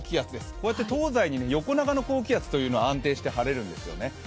こうやって東西に横長の高気圧というのは安定して晴れるんですよね。